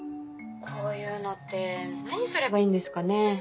こういうのって何すればいいんですかね？